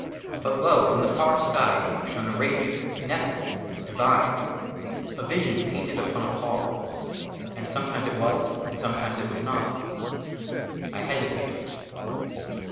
BUT, LO ! IN THE FAR SKY SHONE A RADIANCE INEFFABLE, DIVINE, A VISION PAINTED UPON A PALL ; AND SOMETIMES IT WAS, AND SOMETIMES IT WAS NOT. I HESITATED.